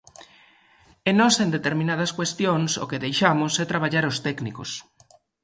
E nós, en determinadas cuestións, o que deixamos é traballar aos técnicos.